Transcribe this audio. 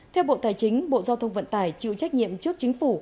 theo bộ tài chính bộ giao thông vận tải chịu trách nhiệm trước chính phủ